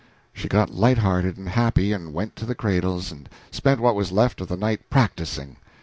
She got up light hearted and happy, and went to the cradles and spent what was left of the night "practising."